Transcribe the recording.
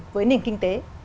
với nền kinh tế